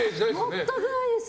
全くないです。